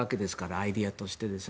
アイデアとして。